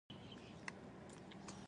پلوشه مفرده مونثه کلمه ده.